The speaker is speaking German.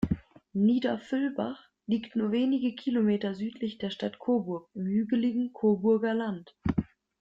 Niederfüllbach liegt nur wenige Kilometer südlich der Stadt Coburg im hügeligen Coburger Land.